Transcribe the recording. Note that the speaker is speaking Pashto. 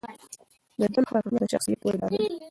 د ژوند هره کړنه د شخصیت ودې لامل ده.